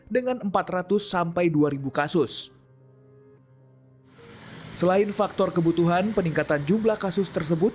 dua ribu dua puluh dengan empat ratus sampai dua ribu kasus selain faktor kebutuhan peningkatan jumlah kasus tersebut